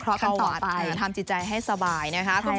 เข้าหวัดทำจิตใจให้สบายนะคะ